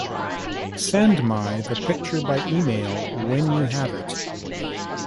Send my the picture by email when you have it.